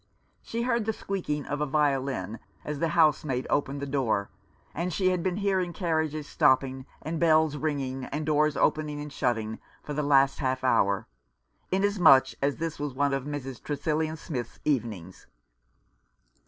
She heard the squeaking of a violin as the housemaid opened the door ; and she had been hearing carriages stopping, and bells ringing, and doors opening and shutting, for the last half hour, inasmuch as this was one of Mrs. Tresillian Smith's evenings.